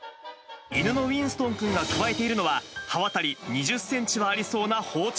犬のウィンストンくんがくわえているのは、刃渡り２０センチはありそうな包丁。